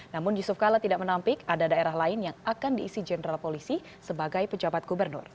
namun yusuf kala tidak menampik ada daerah lain yang akan diisi jenderal polisi sebagai pejabat gubernur